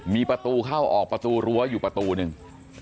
มีประตูเข้าออกประตูรั้วอยู่ประตูหนึ่ง